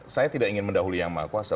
saya tidak ingin mendahului yang maha kuasa